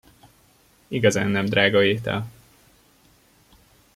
Igazán nem drága étel.